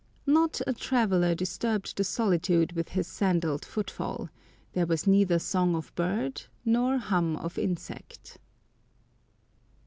Not a traveller disturbed the solitude with his sandalled footfall; there was neither song of bird nor hum of insect.